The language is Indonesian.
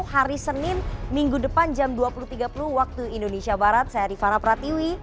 hari senin minggu depan jam dua puluh tiga puluh waktu indonesia barat saya rifana pratiwi